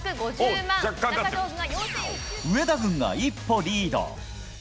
上田軍が１歩リード。